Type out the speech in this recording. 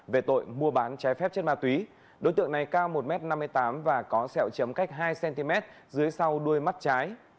về tội mua bán trái phép chất ma túy đối tượng này cao một m năm mươi tám và có sẹo chấm cách hai cm dưới sau đuôi mắt trái